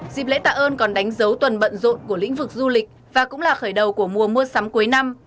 dịp lễ tạ ơn còn đánh dấu tuần bận rộn của lĩnh vực du lịch và cũng là khởi đầu của mùa mua sắm cuối năm